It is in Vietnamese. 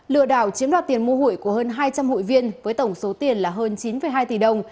lừa đảo chiếm đoạt tiền mua hụi của hơn hai trăm linh hụi viên với tổng số tiền là hơn chín hai tỷ đồng